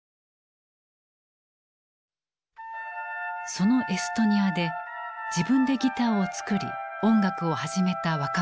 そのエストニアで自分でギターを作り音楽を始めた若者がいた。